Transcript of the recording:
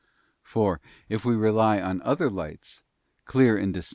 For if we rely on other lights, clear * 2S.